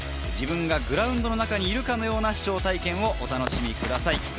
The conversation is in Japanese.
自分がグラウンドの中にいるかのような視聴体験をお楽しみください。